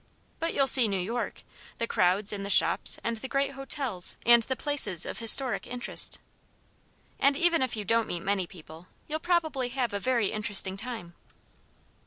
But you'll see New York the crowds and the shops and the great hotels and the places of historic interest. And even if you don't meet many people, you'll probably have a very interesting time."